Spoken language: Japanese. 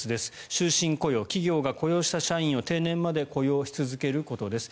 終身雇用、企業が雇用した社員を定年まで雇用し続けることです。